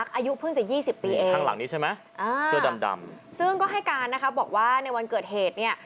ซึ่งก็ให้การนะคะบอกว่าในวันเกิดเหตุเนี่ย